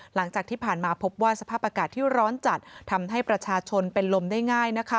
หลังจากที่ผ่านมาพบว่าสภาพอากาศที่ร้อนจัดทำให้ประชาชนเป็นลมได้ง่าย